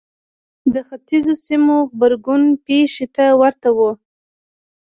د ختیځو سیمو غبرګون پېښې ته ورته و.